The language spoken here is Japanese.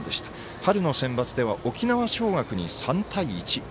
春のセンバツでは沖縄尚学に３対１。